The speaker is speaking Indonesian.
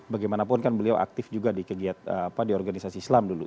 bagaimanapun kan beliau aktif juga di kegiatan apa di organisasi islam dulu